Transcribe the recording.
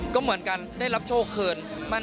ก็เหมือนกันได้รับโชคคืน